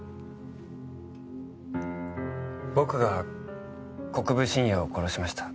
僕が国分信也を殺しました。